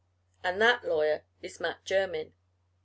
And that lawyer is Mat Jermyn.